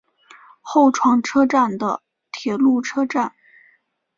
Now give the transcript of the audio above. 厚床车站的铁路车站。